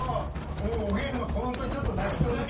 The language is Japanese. もう、おげんは本当にちょっと泣きそうです。